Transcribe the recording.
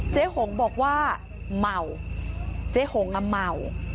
เจ๊หงบอกว่าเหมาเจ๊หงเหมา